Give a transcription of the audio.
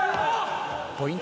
ポイント